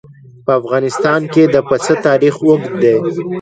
په افغانستان کې د پسه تاریخ اوږد دی.